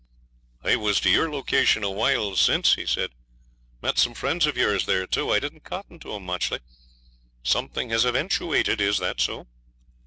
'I was to your location a while since,' he said. 'Met some friends of yours there too. I didn't cotton to 'em muchly. Something has eventuated. Is that so?'